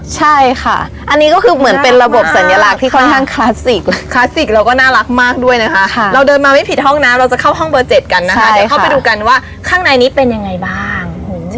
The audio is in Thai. ใช่ค่ะอันนี้ก็คือเหมือนเป็นระบบสัญลักษณ์ที่ค่อนข้างคลาสสิกคลาสสิกเราก็น่ารักมากด้วยนะคะเราเดินมาไม่ผิดห้องน้ำเราจะเข้าห้องเบอร์๗กันนะคะเดี๋ยวเข้าไปดูกันว่าข้างในนี้เป็นยังไงบ้าง